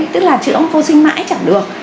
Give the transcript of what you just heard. tức là triệu vô sinh mãi chẳng được